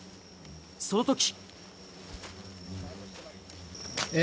そのとき。